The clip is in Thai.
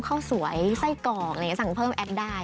ข้าวสวยไส้กรอกอะไรอย่างนี้สั่งเพิ่มแอปได้